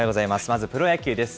まず、プロ野球です。